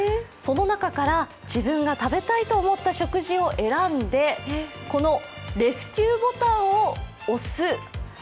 その中から自分が食べたいと思った食事を選んでこのレスキューボタンを押す。